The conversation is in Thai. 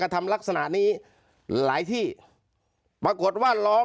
เจ้าหน้าที่แรงงานของไต้หวันบอก